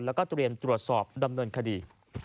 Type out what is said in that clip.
แล้วก็เตรียมตรวจสอบดำเนินคดี